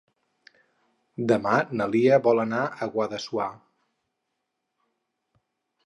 Demà na Lia vol anar a Guadassuar.